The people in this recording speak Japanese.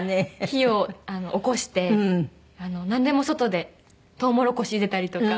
火をおこしてなんでも外でトウモロコシゆでたりとか。